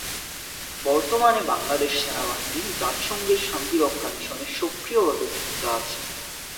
বর্তমানে বাংলাদেশ সেনাবাহিনী জাতিসংঘের শান্তিরক্ষা মিশনে সক্রিয়ভাবে যুক্ত আছে।